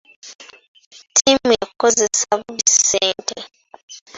Ttiimu yakozesa bubi ssente.